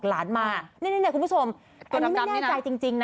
เอาอีกทีเอาอีกทีเอาอีกที